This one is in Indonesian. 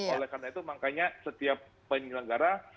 oleh karena itu makanya setiap penyelenggara